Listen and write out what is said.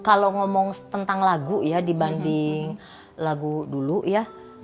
kalau ngomong tentang lagu ya dibanding lagu dulu ya